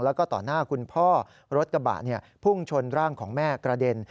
แล้วก็ต่อหน้าคุณพ่อรถกระบะพุ่งชนร่างของแม่กระเด็น